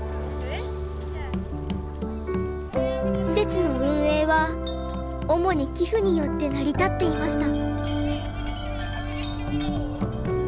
施設の運営は主に寄付によって成り立っていました。